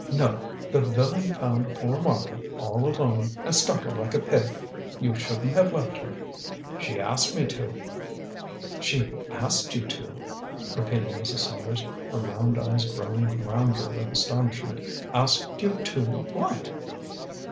No. The villain found poor Martha all alone and stuck her like a pig. You shouldn't have left her." "She asked me to." "She asked you to?" repeated Mrs. Sellars, her round eyes growing rounder with astonishment. "Asked you to what?"